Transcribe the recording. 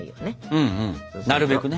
うんうんなるべくね。